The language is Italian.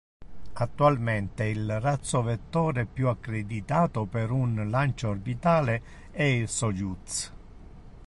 Attualmente il razzo vettore più accreditato per un lancio orbitale è il Sojuz.